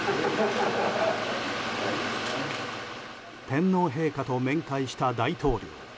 天皇陛下と面会した大統領。